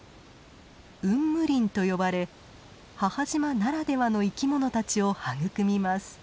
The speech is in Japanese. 「雲霧林」と呼ばれ母島ならではの生き物たちを育みます。